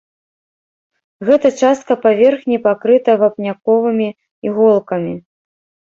Гэта частка паверхні пакрыта вапняковымі іголкамі.